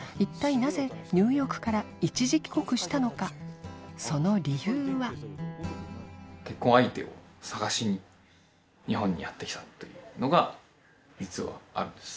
なぜニューヨークから一時帰国したのかその理由は結婚相手を探しに日本にやってきたというのが実はあるんです